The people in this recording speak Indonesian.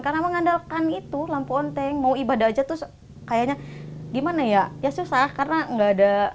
saya mengandalkan itu lampu onteng mau ibadah jatuh kayaknya gimana ya ya susah karena enggak ada